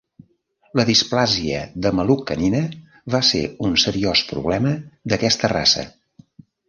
La displàsia de maluc canina va ser un seriós problema d'aquesta raça.